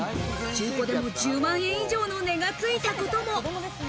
中古でも１０万円以上の値がついたことも。